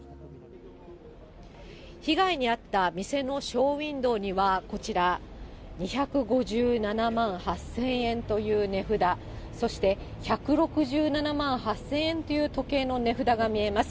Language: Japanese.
被害に遭った店のショーウインドーには、こちら、２５７万８０００円という値札、そして１６７万８０００円という時計の値札が見えます。